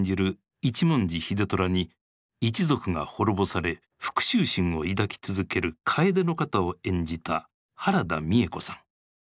一文字秀虎に一族が滅ぼされ復讐心を抱き続ける楓の方を演じた原田美枝子さん。